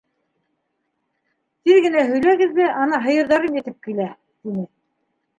Тиҙ генә һөйләгеҙ ҙә, ана һыйырҙарым етеп килә, - тине.